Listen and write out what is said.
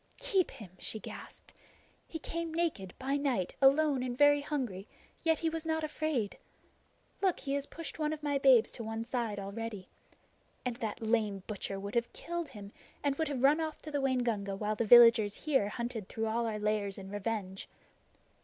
"Keep him!" she gasped. "He came naked, by night, alone and very hungry; yet he was not afraid! Look, he has pushed one of my babes to one side already. And that lame butcher would have killed him and would have run off to the Waingunga while the villagers here hunted through all our lairs in revenge!